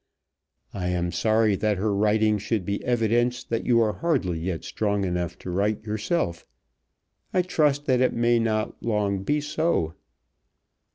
I am sorry that her writing should be evidence that you are hardly yet strong enough to write yourself. I trust that it may not long be so.